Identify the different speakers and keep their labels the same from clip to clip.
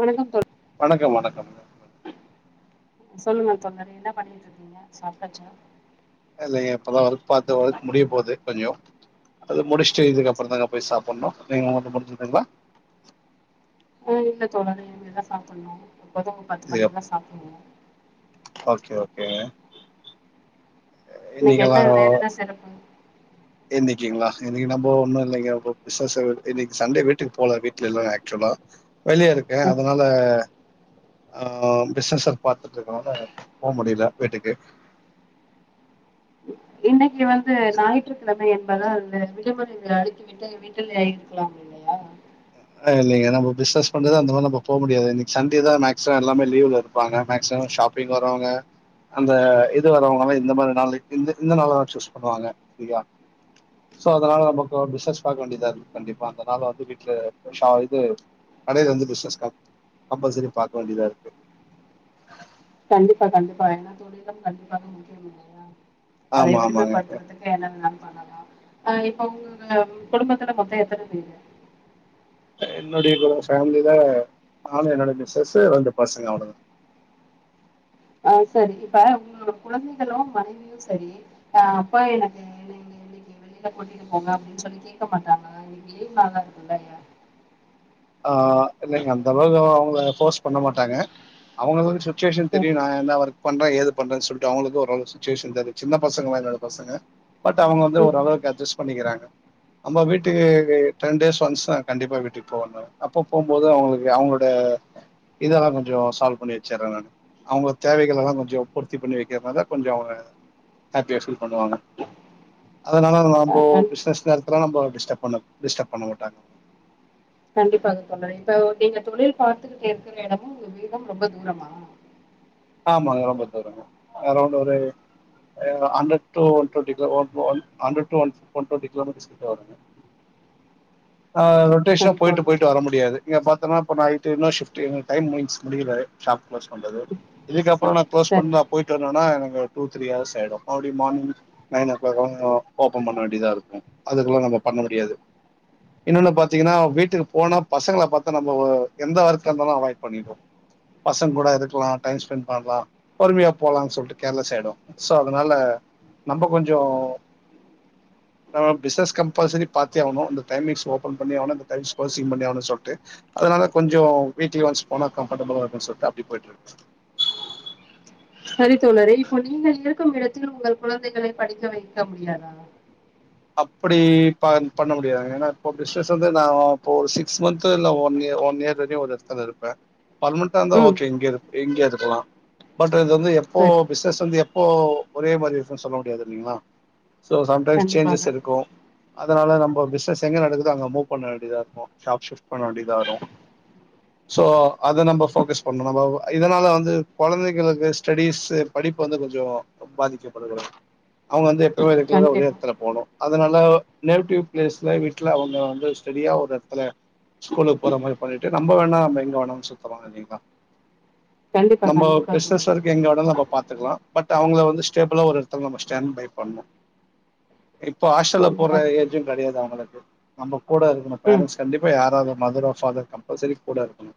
Speaker 1: வணக்கம் தோழ
Speaker 2: வணக்கம் வணக்கம்
Speaker 1: சொல்லுங்க தோழா என்ன பண்ணிட்டு இருக்கீங்க சாப்பிட்டாச்சா
Speaker 2: இல்லையே இப்பதான் பார்த்து ஒர்க் முடிய போகுது கொஞ்சம் அது முடிச் சோ இதுக்கு அப்புறம் தாங்க சாப்பிடணும் ம
Speaker 1: ஆஹ் இல்லை தோழா நாணும் இனிமேதான் சாப்பிடணும் இப்பதா பத்து
Speaker 2: இது
Speaker 1: மணிக்குல்ல சாப்பிட்டேன்
Speaker 2: கே
Speaker 1: இன்னைக்கு என்ன வேறென்ன சிறப்பு
Speaker 2: இன்னைக்கு நம்ம ஒன்னும் இல்லைங்க பிசினஸ் இன்னைக்கு சண்டே வீட்டுக்கு போல வீட்டுல எல்லா ஆக்சுவல்லா வெளியே இருக்கேன்
Speaker 1: ம்
Speaker 2: அதனால ஆஹ் பிசினஸ் பார்த்துட்டு இருக்கதல போ முடியல வீட்டுக்கு
Speaker 1: இன்னைக்கு வந்து ஞாயிற்றுக்கிழமை என் வீட்லதான் இருந்தேன் விடுமுறை அடுக்கி விட்டு வீட்டுல ஆக இருக்கலா இல்லையா
Speaker 2: அதனால நீங்க என்ன பிசினஸ் பண்றத அந்த மாரில நம்ம போக முடியாது இன்னைக்கு சண்டே தான் மேக்சிமம் எல்லாமே லீவ்ல இருப்பாங்க மேக்சிமம் ஷாப்பிங் வர்றவங்க அந்த இது வரவங்காம் இந்த மாரி நாள் இந்த இந்த நாள் தான் சூஸ் பண்ணுவாங்க இல்லயா சோ அதனால நமக்கு பிஸ்னஸ் பாக்க வேண்டியதா இருக்கு கண்டிப்பா அதனால வந்து வீட் [unintelligible] இது கடையில வந்து பிசினஸ் கம்பல்சரி பார்க்க வேண்டியதா இருக்கு
Speaker 1: கண்டிப்பா கண்டிப்பா எல்லா தோழி கண்டிப்பா முக்கியம் இல்லையா அதை
Speaker 2: ஆமா
Speaker 1: எதிலையுமே
Speaker 2: ஆமாங்க
Speaker 1: படுத்துறதுக்கு என்ன நா பண்ணனும் அஹ் இப்ப உங்க குடும்பத்துல மொத்தம் எத்தன பேரு
Speaker 2: என்னுடைய குடுப பேமிலில நானும் என்னோட மிஸ்ஸஸ் ரெண்டு பசங்க அவ்வளவுதா
Speaker 1: ஆஹ் சரி இப்ப உங்களோட குழந்தைகளும் மனைவியும் சரி அப்பா எனக்கு என்னைங்க இன்னைக்கு வெளியில போட்டிட்டு போங்க அப்படின்னு சொல்லி கேட்க மாட்டாங்கா இன்னைக்கு ஏன லீவ் நாளா இருக்குல்லயா
Speaker 2: போர்ஸ் பண்ண மாட்டாங்க அவங்க வந்து சி சுச்சுவேஷன்
Speaker 1: சரி
Speaker 2: தெரியும் நா என்ன ஒர்க் பண்றேன் ஏது பண்றேன்னு சொல்லிட்டு அவங்களுக்கு ஓரளவு சுச்சுவேஷன் தெரியும் சின்ன பசங்க என்னோட பசங்க பட் அவங்க வந்து
Speaker 1: ம்
Speaker 2: ஓரளவுக்கு அட்ஜஸ்ட் பண்ணிக்கிறாங்க அம்ப வீட்டுக்கு டென் டேஸ் ஒன்ஸ் தான் கண்டிப்பா வீட்டுக்கு போவாங்க அப்ப போகும்போது அவங்களுக்கு அவங்களோட இதெல்லாம் கொஞ்சம் சால்வ்பண்ணி வச்சறேன் நா அவங்க தேவைகள் எல்லாம் கொஞ்சம் பூர்த்தி பண்ணி வைக்கிறனால கொஞ்சம் அவங்க ஹேப்பிய பீல் பண்ணுவாங்க அதனால
Speaker 1: ஆ
Speaker 2: நம்ம
Speaker 1: கண்
Speaker 2: பிசினஸ் நேரத்ள நம்ம டிஸ்டப் பண்ண டிஸ்டப் பண்ண மாட்டாங்க
Speaker 1: கண்டிப்பாக தோழரே இப்போ நீங்க தொழில் பார்த்துகிட்டு இருக்கிற இடமும் உ க்கு வீடும் ரொம்ப தூரமா
Speaker 2: ஆமாங்க ரொம்ப தூரங்க அரௌண்ட் ஒரு ஆ hundred two one twenty kilo one one hundred two one twenty kilo metres கிட்ட வருங்க ஆஹ் ரொட்டேஷனா
Speaker 1: சரி
Speaker 2: போயிட்டு
Speaker 1: தோழர்
Speaker 2: போயிட்டு வர முடியாது நீங்க பாத்தோன்னா இப்ப நைட் இன்னொரு ஷிப்ட் இவங்களுக்கு டைம் முடிஞ்சிருச்சி முடில ஷாப் க்ளோஸ் பண்றது இதுக்கப் இப்போ நா க்ளோஸ்
Speaker 1: சரி
Speaker 2: பன்ட்டு நா போயிட்டு வரேனானா எனக்கு டூ த்ரீ ஹார்ஸ் ஆயிடு மறுபடியு மார்னிங் நைன் ஓ கிளாக் ஆயிடு ஓபன் பண்ண வேண்டிதா இருக்கு அதுகெல்லா நம்ப பண்ண முடியாது இன்னொன்னு பாத்திங்கன்னா வீட்டுக்கு போன பசங்களை பாத்தா நம்ம எந்த ஒர்க்கா இருந்தாலு அவாய்ட் பண்ணிடுவோ பசங்க கூட இருக்கலா டைம் ஸ்பெண்ட் பண்லா பொறுமையா போலானு சொல்ட்டு கேர்லஸ் ஆயிடு சோ அதனால நம்ப கொஞ்ஜோ ஆ பிஸ்னஸ் கம்பல்சரி பாத்தே ஆவுனு இந்த டைமிங்ஸ் ஓபன் பண்ணியே ஆகணு இந்த டைம்ஸ் குளோசிங் பண்ணி ஆகணுனு சொல்ட்டு அதனால கொஞ்ஜோ வீக்லி ஒன்ஸ் போனா கம்ஃபடபுளா இருக்கு சொல்ட்டு அப்டி போயிட்டு இருக்
Speaker 1: செரி தோழரே இப்போ நீங்கள் இருக்கும் இடத்தில் உங்கள் குழந்தைகளை படிக்க வைக்க முடியாதா
Speaker 2: அப்படி பண் பண்ண முடியாதுங்க ஏனா இப்ப பிஸ்னஸ் வந்து நா இப்ப ஒரு சிக்ஸ் மன்த்து இல்ல ஒன் இ ஒன் இயர் வரையு ஒரு எடத்துல இருப்ப பர்மெண்ட்டா இருந்தா
Speaker 1: ம்
Speaker 2: ஓகே இங்க இரு எங்கே அதுக்கலா பட் இது வந்து எப்போ
Speaker 1: சரி
Speaker 2: பிஸ்னஸ் வந்து எப் இப்போ ஒரே மாரி இருக்கு சொல்ல முடியாது இல்லீங்களா சோ சேஞ்சஸ்
Speaker 1: கண்டிப்பாக
Speaker 2: இருக்கு அ அதனால நம்ப பிஸ்னஸ் எங்க நடக்குதோ அங்க மூ பண்ண வேண்டியதா இருக்கோ ஷாப் சிப்ட் பண்ண வேண்டியதா ஆயிடு சோ அத நம்ப ஃபோகஸ் பண்ணோ நம்போ இதனால வந்து கொழந்தைகளுக்கு ஸ்டடீசு படிப்பு வந்து கொஞ்ஜோ பாதிக்கப்படக்கூடாது அவுங்க வந்து எப்பவுமே ரெகுலரா
Speaker 1: கண்டிப்பா
Speaker 2: ஒரே அதனால நேடிவ் பிளேஸ்ல வீட்ல அவுங்க வந்து ஸ்டடியா ஒரு இடத்துல ஸ்கூலுக்கு போற மாரி பண்ணிட்டு நம்ப வேணா நம்ம எங்க வேணாலு சுத்துலா இல்லிங்களா
Speaker 1: கண்டிப்பா
Speaker 2: நம்ம
Speaker 1: கண்டிப்பா
Speaker 2: பிஸ்னஸ்
Speaker 1: தோழரே
Speaker 2: வெரைக்கு எங்க வேணாலு நம்ம பாத்துக்கலா பட் அவங்கள வந்து ஸ்டேபிளா ஒரு எடத்துல நம்ம ஸ்டேண்ட் பை பண்ணோ எ இப்போ ஹாஸ்டல்ல போட்ற
Speaker 1: கண்டிப்பாக
Speaker 2: ஏஜு
Speaker 1: தோழரே
Speaker 2: கெடையாது அவுங்களுக்கு நம்பக் கூட இருக்கனு
Speaker 1: ம்
Speaker 2: பேரன்ட்ஸ் கண்டிப்பா யாராது மதரோ ஃபாதர் கம்பள்சரி கூட இருக்கணு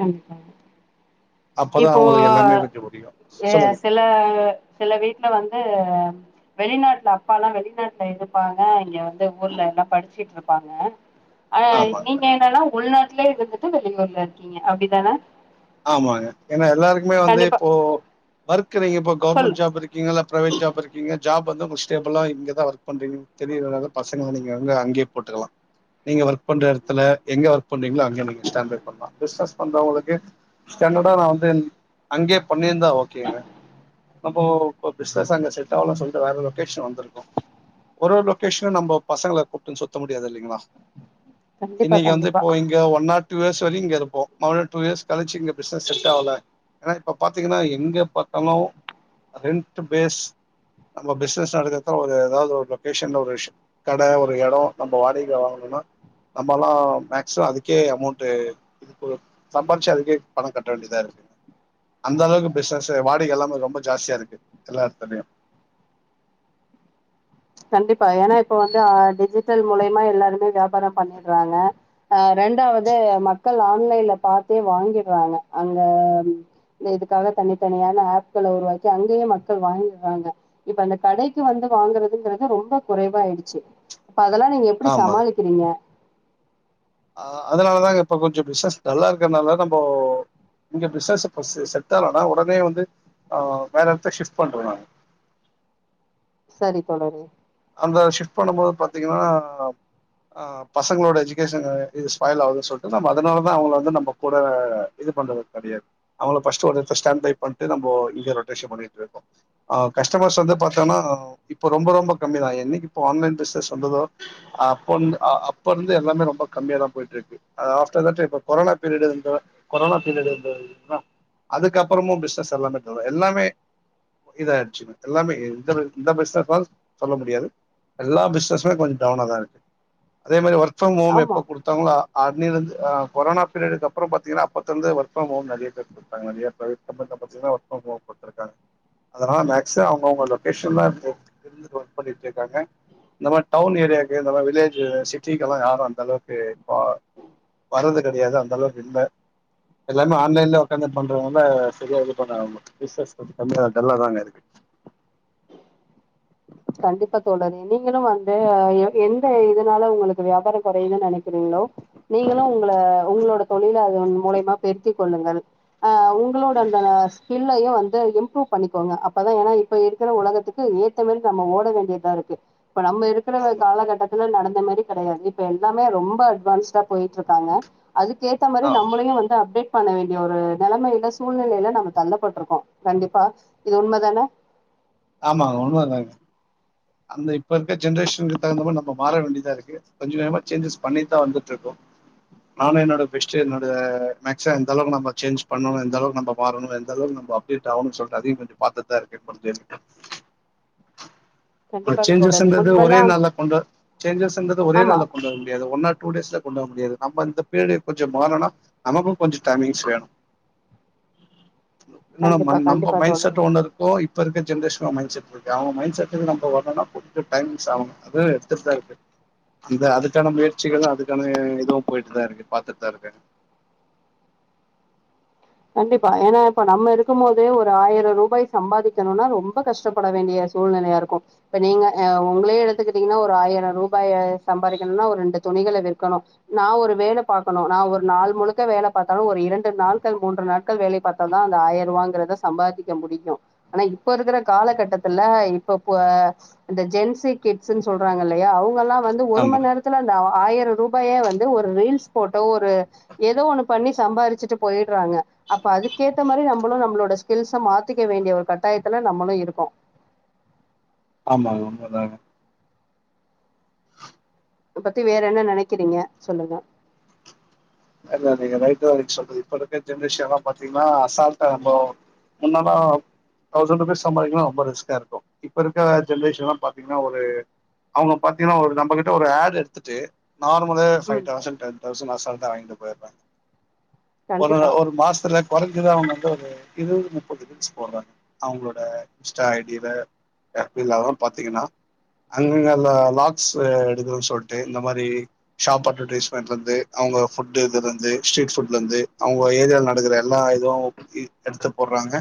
Speaker 1: கண்டிப்பா
Speaker 2: அப்பதா
Speaker 1: இப்போ
Speaker 2: அவங்களுக்கு எல்லாமே கொஞ்சோ புரியு
Speaker 1: ஏ
Speaker 2: சொல்லுங்க
Speaker 1: சில சில வீட்ல வந்து வெளிநாட்ல அப்பால்லா வெளிநாட்ல இருப்பாங்க இங்க வந்து ஊர்ல எல்லா படிச்சிட்டு இருப்பாங்க ஆனா
Speaker 2: ஆமாங்க,
Speaker 1: நீங்க என்னனா உள்நாட்டு உள்ளேஇருந்துட்டு வெளியூர்ல இருக்கீங்க அப்டி தான
Speaker 2: ஆமாங்க ஏனா எல்லாருக்குமே வந்து இப்போ ஒர்க் நீங்க இப்
Speaker 1: சொல்லு
Speaker 2: கவர்மெண்ட் ஜாப் இருக்கீங்களா ப்ரைவேட் ஜாப் இருக்கீங்க ஜாப் வந்து உங்க ஸ்டேபிளா இங்க தா ஒர்க் பண்றீங்க தெரியு அதனாலே பசங்கள நீங்க வந்து அங்கேயே போட்டுக்கலா நீங்க ஒர்க் பண்ற இடத்துல எங்க ஒர்க் பண்றீங்களோ அங்கே நீங்க ஸ்டேன்ட் பை பண்லா பிஸ்னஸ் வந்தா உங்களுக்கு ஸ்டாண்டர்டா நான் வந்து அங்கே பண்ணியிருந்தா ஓகேங்க நம்ம இப்ப பிசினஸ் அங்க செட் ஆகலனு சொல்லிட்டு வேற லொகேஷன் வந்திருக்கோம் ஒரு லொகேஷன்ன நம்ம பசங்களை கூப்பிட்டுன்னு சுத்த முடியாது இல்லைங்களா
Speaker 1: கண்டிப்பா
Speaker 2: இன்னைக்கு வந்து
Speaker 1: கண்டிப்பா
Speaker 2: இப்போ இங்க ஒன் நாட் ஸ் ங்க இருப்போ டூ இயர்ஸ் கழிச்சி இங்க பிசினஸ் செட் ஆவல இப்ப பாத்தீங்கன்னா எங்க பாத்தாலும் ரெண்டு பேஸ் நம்ம பிசினஸ் ஆகட்டும் ஏதாவது ஒரு லொகேஷன்ல ஒரு விஷயம் ஒரு கடை ஒரு இடம் நம்ம வாடகைக்கு வாங்கணுன்னா நாமெல்லாம் மேக்ஸிமம் அதுக்கே அமௌன்ட் சம்பாரிச்சு அதுக்கே பணம் கட்ட வேண்டியதா இருக்கு அந்த அளவுக்கு பிசினஸ் வாடகை எல்லாமே ரொம்ப ஜாஸ்தியா இருக்கு எல்லா எடத்துலயும்
Speaker 1: கண்டிப்பா ஏன்னா இப்ப வந்து டிஜிட்டல் மூலியமா எல்லாருமே வியாபாரம் பண்ணிறாங்க ஆஹ் ரெண்டாவது மக்கள் ஆன்லைன்ல பாத்தே வாங்கிர்றாங்க அங்க இதுக்காக தனித்தனியான ஆப்களை உருவாக்கி அங்கயே மக்கள் வாங்கிர்றாங்க இப்ப அந்த கடைக்கு வந்து வாங்குறதுங்கற ரொம்ப குறைவாயிடுச்சு இப்ப அதெல்லாம் நீங்க எப்டி சமாளிக்கிறீங்க
Speaker 2: அஹ் அதனாலதாங்க இப்ப கொஞ்சம் பிசினஸ் நல்லா இருக்கிறதுனால நம்ம இங்க பிசினஸ் இப்ப செட் ஆனும்னா உடனே வந்து ஆஹ் வேற இடத்த ஷிஃப்ட் பண்றோம் நாங்க
Speaker 1: சரி தோழரே
Speaker 2: அந்த ஷிப்ட் பண்ணும் போது பாத்தீங்கன்னா அஹ் பசங்களோட எஜுகேஷன் இது ஸ்பாயில் ஆகுதுன்னு சொல்லிட்டு அதனாலதான் அவங்க வந்து நம்ம கூட இது பண்றதுக்கு கெடையாது அவங்கள பஸ்டு ஒரு எடம் ஸ்டாண்ட் பை பண்ணிட்டு நம்ம இங்க ரொட்டேஷன் பண்ணிட்டு இருக்கோம்ஹ் கஸ்டமர்ஸ் வந்து பாத்தோங்கன்னா இப்ப ரொம்ப ரொம்ப கம்மிதான் இப்ப ஆன்லைன் பிசினஸ் வந்ததோ அப்ப அப்பருந்து எல்லாமே ரொம்ப கம்மியா தான் போயிட்டு இருக்கு after the corona period corona period அதுக்குப்புறமும் பிஸ்னஸ்எல்லாமேரும் எல்லாமே இதாயிடுச்சு எல்லாமே பி சொல்ல முடியாது எல்லா பிசினஸ்மே கொஞ்சம் டவுனா தான் இருக்கு அதே மாரி ஒர்க்
Speaker 1: ஆமா
Speaker 2: எப்ப கொடுத்தாங்களோ அன்னைலருந்து கொரோானா பீரியடுக்கு அப்புறம் பாத்தீங்கன்னா அப்போந்து ஒர்க ஃப்ரம்ஹோம் நறைய பேர் கொடுத்தா நறைய பிரைவேட் கம்பெனில் பாரீங்கன்னா ஒர்க்ஃப்ரம்ஹோம் கொத்துருக்காங்க அதனால் மேக்ஸிம் அவுகவுங்க லொகேஷன் தாம் வொர்க் பண்ணிட்டுருக்காங்க இந்த மாரி டவுன் ஏரியாக்கு வில்லேஜ் சிட்டிக்குல்லாம் யாரும் அந்த அளவுக்கு வர்றது கெடையாது அந்த அளவுக்கு இல்ல எல்லாமே ஆன்லைன்லே உகாந்து பண்றதுனால ந தா இருக்கு
Speaker 1: கண்டிப்பா தோழர் நீங்களும் வந்து எந்த இதனால உங்களுக்கு வியாபாரம் குறையிதுன்னு நெனைக்கிறீங்களோ நீங்களும் உங்க உங்களோட தொழில அததுன் மூலியமா பெருத்திக் கொள்ளுங்கள் உங்களோட அந்த ஸ்கில்லையும் வந்து இம்ப்ரூவ் பண்ணிக்கோங்க அப்பதான் இப்ப இருக்கிற உலகத்துக்கு ஏத்த மாரி நம்ம ஓட வேண்டியதா இருக்கு இப்ப நம்ம இருக்கிற
Speaker 2: ஆமா
Speaker 1: காலகட்டத் நடந்த மாதிரி கிடையாது இப்ப எல்லாமே ரொம்ப அட்வான்ஸ்டா போயிட்டு இருக்காங்க அதுக்கேத்த மாரி
Speaker 2: ஆ
Speaker 1: நம்மளையும் வந்து அப்டேட் பண்ண வேண்டிய ஒரு நெலைமைல சூழ்நிலைல நம்ம தள்ளப்பட்ருக்கோ கண்டிப்பா இது உண்மதானே
Speaker 2: ஆமா உண்மதாங் அந்த இப்ப இருக்க ஜென்ரேஷனுக்கு தகுந்த மாரி நம்ம மாற வேண்டியதா இருக்கு கொஞ்சொ‌ யமா சேஞ்சஸ் பண்ணிட்தா வந்துட்ருக்கோ நானு என்னோட பெஸ்ட்டு என்னோட மேக்சிம எந்த அளவுக்கு நம்ம சேஞ்ச் பண்ணணு எந்தளவுக் நம்ப மாறணு எந்த அளவுக்கு நம்ப அப்டேட் ஆகணு சொல்ட்டு அதையு கொஞ்சம் பாத்துட்தா இருக்கே [unintelligible] அ
Speaker 1: கண்டிப்பாக தோழரே
Speaker 2: சேஞ்சஸுன்றது ஒரே
Speaker 1: முன்பெல்லா
Speaker 2: நாள்ல கொண்டு சேஞ்சஸுன்றது ஒரே
Speaker 1: ஆமா
Speaker 2: நாள்ல கொண்டு வர முடியாது ஒன்னா டூ டேஸ்ல கொண்டு வர முடியாது நம்ம இந்த பீரியடு கொஞ்சம் மாறனா நமக்கு கொஞ்சொ டைமிங்ஸ் வேணு நா
Speaker 1: கண்டிப்பா
Speaker 2: நம்ப
Speaker 1: கண்டிப்பா
Speaker 2: மைண்ட்
Speaker 1: தோழரே
Speaker 2: செட் ஒன்னு இருக்கு இப் ப்பஇருக்க ஜென்ரேஷனொ மைண்ட் செட் இருக்கு அவுங்க மைண்ட செட்டுக்கு நம்ப வ ரனா கொஞ்சொ டைமிங்ஸ் ஆவுன்றது [unintelligible] அந்த அதுக்கான முயற்சிகளு அதுக்கான இதுவு போயிட்டு தா இருக்கு பாத்துட்தா இருக்கே
Speaker 1: கண்டிப்பா ஏனா இப்ப நம்ம இருக்கும்மோதே ஒரு ஆயிர ரூபாய் சம்பாதிக்கணுனா ரொம்ப கஷ்டப்பட வேண்டிய சூழ்நிலையா இருக்கு இப்ப நீங்க உங்களே எடுத்துக்கிட்டீங்கனா ஒரு ஆயிர ரூபாய சம்பாரிக்கணுனா ஒரு ரெண்டு துணிகள விற்கணு நா ஒரு வேல பாக்கணு நா ஒரு நாள் முழுக்க வேல பாத்தாலு ஒரு இரண்டு நாள் கள்‌ மூன்று நாட்கள் வேலை பாத்தா தா அந்த ஆயருவாங்குறத சம்பாதிக்க முடியு ஆனா இப்ப இருக்கிற காலகட்டத்துல இப்ப ப இந்த ஜென் சி் கிட்ஸுன் சொல்றாங்கல்லயா அவு ங்கல்லா வந்து ஒரு
Speaker 2: ஆமா
Speaker 1: மண் நேரத்துல அந்த ஆய ரரூபாய வந்து ஒரு ரீல்ஸ் போட்டொ ஒரு ஏதோ ஒன்னு பண்ணி சம்பாருச்சுட்டு போயிட்றாங்க அப்ப அதுக்கேத்த மாரி நம்பளு நம்மளோட ஸ்கில்ஸ மாத்திக்க வேண்டிய ஒரு கட்டாயத்துல நம்மளு இருக்கோ
Speaker 2: ஆமாங்க உண்மதாங்க
Speaker 1: பத்தி வேற என்ன நெனக்கிறீங்க சொல்லுங்க
Speaker 2: அதா நீங்க ரைட்தா நீங்க சொல்றது இப்ப இருக்க ஜென்ரேஷன்லா பாத்திங்னா அசால்டா னமோ முன்னல்லா தௌசண்ட் ருபீஸ் சம்பாதிக்லா ரொம்ப ரிஸ்கா இருக்கு இப்ப இருக்க ஜென்ரேஷன்லா பாத்தீங்கனா ஒரு அவுங்க பாத்தீங்கனா ஒரு நம்பகிட்ட ஒரு ஆட் எடுத்துட்டு நார்மலு ஃபை
Speaker 1: ம்
Speaker 2: தௌசண்ட் டென் தௌசண்ட் அசால் ட்டா வாங்கிட்டு போயிர்றாங்க ஒரு
Speaker 1: கண்டிப்பா
Speaker 2: ஒரு மாசத்துல கொறஞ்சது அவுங்க வந்து ஒரு இருவது முப்பது ரீல்ஸ் போடுறாங்க அவுங்ளோட இன்ஸ்டா ஐ டி ல எஃப் பி லல்லா பாத்தீங்கனா அங்கங்க லாக்ஸு எடுக்கணு சொல்ட்டு இந்த மாரி ஷாப் அட்வர்டைஸ்மெண்ட்லெந்து அவுங்க ஃபுட்டு இதுலெந்து ஸ்ட்ரீட் ஃபுட்லந்து அவுங்க ஏரியால நடக்குற எல்லா இதுவு எடுத்து போட்றாங்க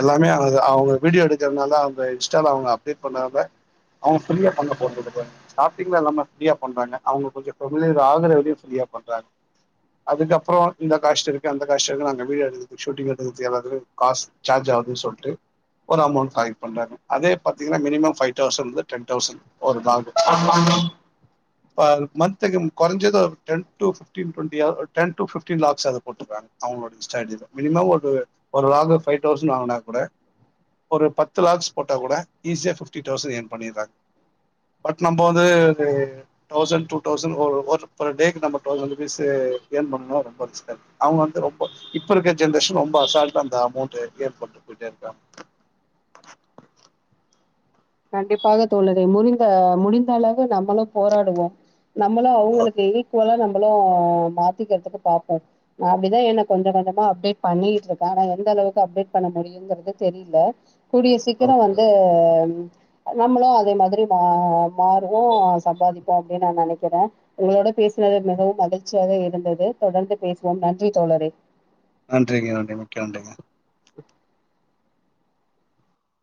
Speaker 2: எல்லாமே அத அவுங்க வீடியோ எடுக்கறனால்தா அவங்க இன்ஸ்டால அவுங்க அப்டேட் பண்ணறனால அவுங்க ஃப்ரீயா பண்ண [unintelligible] ஷாப்பிங்ல எல்லாம ஃப்ரீயா பண்றாங்க அவுங்க கொஞ்ச ஃபெமிலியர் ஆகுரவரையு ஃப்ரீயா பண்றாங்க அதுக்கப்றோ இந்த காஸ்ட் இருக்கு அந்த காஸ்ட் இருக்கு அங்க வீடியோ எடுத்ததுக் ஷூட்டிங் எடுத்ததுக்‌ எல்லாத்துக்கு காஸ் சார்ஜ் ஆவுது சொல்ட்டு ஒரமௌண்ட் கலெக்ட் பண்றாங்க அதே பாத்திங்கனா minimum five thousand ten thousand ஒரு நாளு பா மன்த்துக்கு கொறஞ்சது ஒரு‌ டென் டூ ஃபி டீன் ட்வென்டியா டென் டூ ஃபிஃப்டீன் லாக்ஸாது போட்டுறாங்க அவுங்களோட இன்ஸாடா‌ ஐ டி ல மினிமம் ஒரு ஒரு லாகுக் ஃபை தௌஸன்ட் வாங்குனா கூட ஒரு பத்து லாக்ஸ் போட்டா கூட ஈஸியா ஃபிஃப்டி தௌஸன் இயர்ன் பண்ணிறாங்க பட் நம்ப வந்து தௌஸன் டூ தௌஸன் ஒ ஒர் பர் ‌டேக்கு நம்ப தௌஸன் ப்பீஸு இயர்ன் பண்ணனுனா ரொம்ப ரிஸ்கா இருக்கு அவுங்க வந்து ரொம்ப இப்ப இருக்க ஜென்ரேஷன் ரொம்ப அசால்டா அந்த அமௌண்ட் இயர்ன் பண்ணிட்டு போயிட்டே இருக்காங்க
Speaker 1: கண்டிப்பாக தோழரே முரிந்த முடிந்த அளவு நம்மளு போராடுவோ நம்மளு அவுங்களுக்கு ஈக்குவலா நம் மளு மாத்திக்கிறதுக்கு பாப்போ நா அப்டிதா என்ன கொஞ்ச கொஞ்சமா அப்டேட் பண்ணிகிட்ருக்கே ஆனா எந்த அளவுக்கு அப்டேட் பண்ண முடியுங்குறது தெரில [unintelligible] கூடிய சீக்கிரொ
Speaker 2: ஓகே
Speaker 1: வந்து நம்மளு அதே மாதிரி மா மாறுவோ சம்பாதிப்போ அப்டின் நா நெனக்கிறே உங்களோட பேசுனது மிகவும் மகிழ்ச்சியாக இருந்தது தொடர்ந்து பேசுவோம் நன்றி தோழரே
Speaker 2: நன்றிங்க நன்றி மிக்க நன்றிங்க
Speaker 1: ஹ [inaudible]